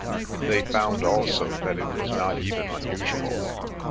They found also that it was not even unusual.